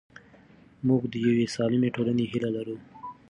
موږ د یوې سالمې ټولنې هیله لرو.